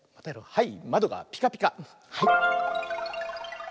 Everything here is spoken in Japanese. はい。